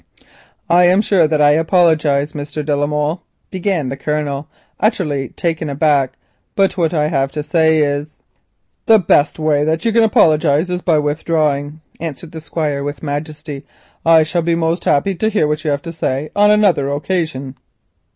"I am sure that I apologise, Mr. de la Molle," began the Colonel, utterly taken aback, "but what I have to say is——" "The best way that you can apologise is by withdrawing," answered the Squire with majesty. "I shall be most happy to hear what you have to say on another occasion."